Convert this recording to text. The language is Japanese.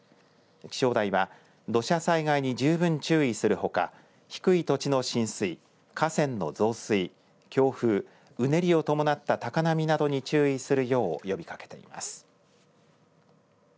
気象台は土砂災害に十分注意するほか低い土地の浸水、河川の増水、強風、うねりを伴った高波などに注意するよう呼びかけています。